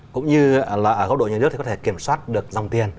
cũng như là ở góc độ nhà nước thì có thể kiểm soát được dòng tiền